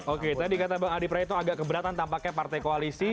oke tadi kata bang adi praetno agak keberatan tampaknya partai koalisi